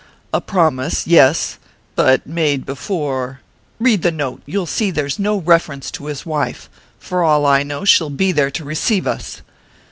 "A promise yes; but made before.... Read the note you'll see there's no reference to his wife. For all I know, she'll be there to receive us."